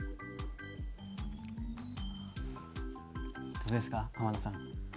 どうですか天野さん？